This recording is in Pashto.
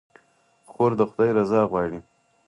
خور د خدای رضا غواړي.